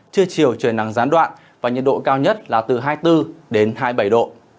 trưa chiều trời nắng gián đoạn và nhiệt độ cao nhất là từ hai mươi bốn đến hai mươi bảy độ